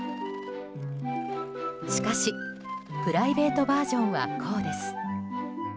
しかしプライベートバージョンはこうです。